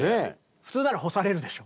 普通なら干されるでしょ。